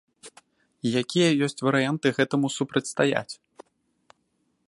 Якія ёсць варыянты гэтаму супрацьстаяць?